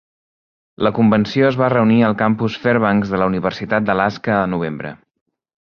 La convenció es va reunir al campus Fairbanks de la Universitat d'Alaska a novembre.